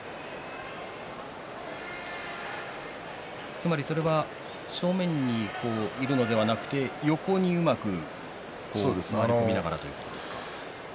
つまりそれは正面にいるのではなく横にうまく動きながらということですか？